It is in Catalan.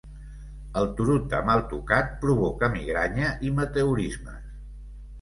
El Turuta mal tocat provoca migranya i meteorismes.